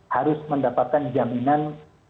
harus mendapatkan jaminan